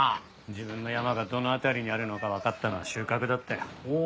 自分の山がどの辺りにあるのかわかったのは収穫だったよ。